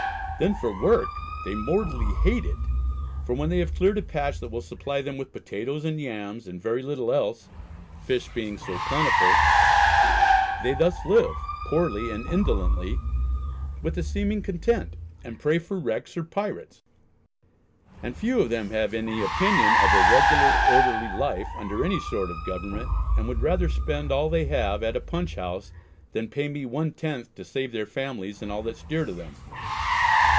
Then for work they mortally hate it, for when they have cleared a patch that will supply them with potatoes and yams and very little else, fish being so plentiful.... They thus live, poorly and indolently, with a seeming content, and pray for wrecks or pirates; and few of them have an(y) opinion of a regular orderly life under any sort of government, and would rather spend all they have at a Punch house than pay me one tenth to save their families and all that's dear to them....